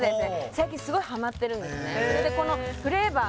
最近すごいハマってるんですね